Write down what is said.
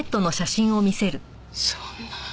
そんな。